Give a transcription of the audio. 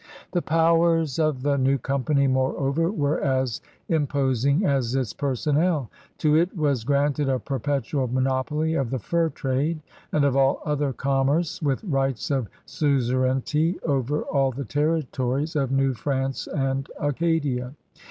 The powers of the new Company, moreover, were as imposing as its personnel. To it was granted a perpetual monopoly of the fur trade and of all other commerce with rights of suzerainty over all the territories of New France and Acadia.